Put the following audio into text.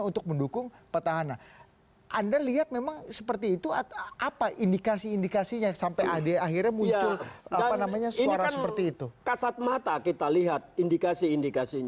untuk mengorganisasi memobilisasi asn